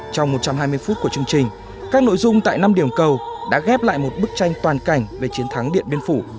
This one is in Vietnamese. trong một trăm hai mươi phút của chương trình các nội dung tại năm điểm cầu đã ghép lại một bức tranh toàn cảnh về chiến thắng điện biên phủ